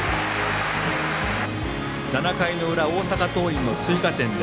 ７回の裏、大阪桐蔭の追加点。